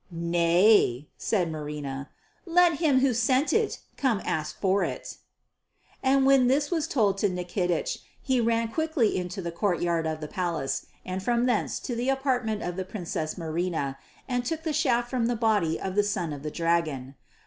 "Nay," said Marina, "let him who sent it come to ask for it." And when this was told to Nikitich he ran quickly into the courtyard of the palace and from thence to the apartment of the Princess Marina and took the shaft from the body of the Son of the Dragon.